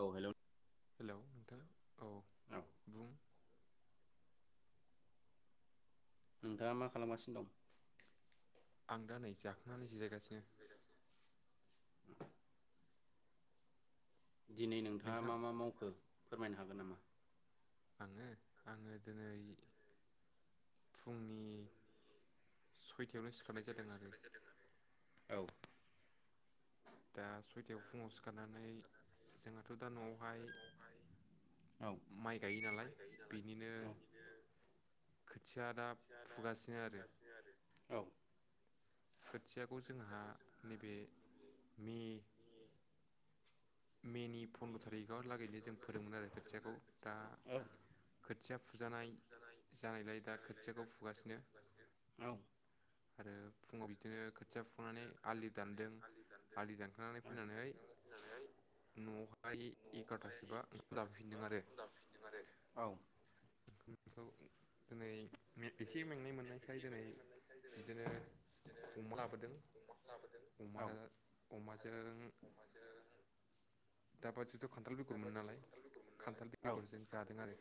औ hello. Hello नोंथां। औ बुं। नोंथाङा मा खालामगासिनो दं? आं दा नै जाखांनानै जिरायगासिनो। दिनै नोंथाङा नोंथां मा मा मावखो? फोरमायनो हागोन नामा? आङो आङो दिनै फुंनि सयथायावनो सिखारनाय जादों आरो। औ दा सयथायाव फुङाव सिखारनानै जोंहाथ' दा न'आवहाय औ माइ गायो नालाय बेनिनो औ खोथिया दा फुगासिनो आरो। औ खोथियाखौ जोंहा नैबे मे मेनि फन्द्र' थारिगाव लागैनो जों फोदोंमोन आरो खोथियाखौ दा औ खोथिया फुजानाय जानायलाय दा खोथियाखौ फु फुगासिनो। फुङाव बि बिदिनो खोथिया फुनानै आलि दानदों आलि दानखांनानै फैनानै न'आवहाय एगार'थासोबा ओंखाम दाफैफिनदों आरो। खौ दोनै एसे मेंनाय मोननायखाय दिनै बिदिनो अमा लाबोदों। औ अमा अमाजों [inaudible] थ' खान्थाल बेगरमोनो नालाय खान्थाल बेगरजों जादों आरो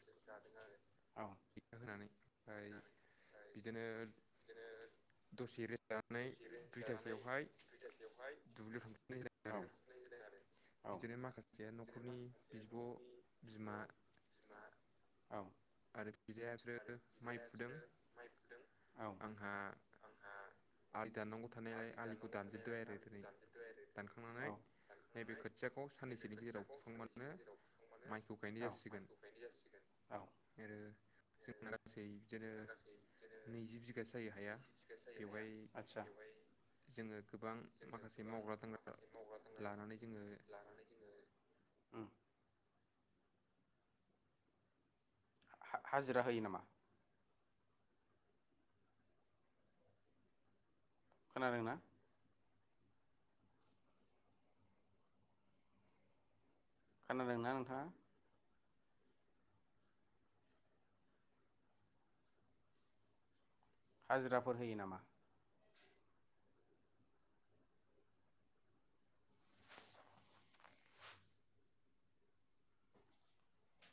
बेखौ होनानै ओमफ्राय बिदिनो दसेे रे दुब्लियाव थांफिननाय जादों आरो औ औ। बिदिनो माखासे न'खरनि बिब' बिमा आरो बिदायासोरो माइ फुदों आंहा आलि दाननांगौ थानायलाय आलिखौ दानजोबबाय आरो दिनै दानखांनानै नैबे खोथियाखौ साननैसोनि गेजेराव फुखांबानो माइखौ गायनाय जासिगोन। आरो जोंहा गासै बिदिनो नैजि बिगासो जायो हाया। बेवहाय आदसा जोङो गोबां माखासे मावग्रा दांग्रा लानानै जोङो उम। हा-हा-हाजिरा होयो नामा? खोनादोंंना? खानादोंना नोंथाङा? हाजिराफोर होयो नामा?